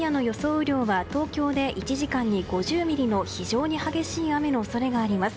雨量は東京で１時間に５０ミリの非常に激しい雨の恐れがあります。